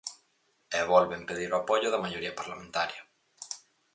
E volven pedir o apoio da maioría parlamentaria.